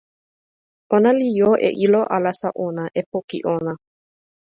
ona li jo e ilo alasa ona, e poki ona.